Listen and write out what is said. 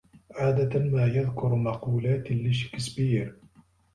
عادة ما يذكر مقولات لشيكسبير.